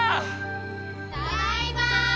ただいま！